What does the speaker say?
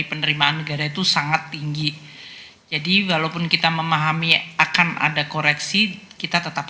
kedua dari sisi belanja enam ratus sebelas sembilan triliun